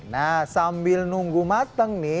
nah sambil nunggu mateng nih